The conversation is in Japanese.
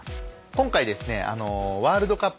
今回ワールドカップ。